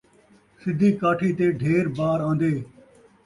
سدھی کاٹھی تے ڈھیر بار آن٘دے